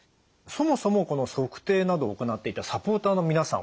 そもそもこの測定などを行っていたサポーターの皆さん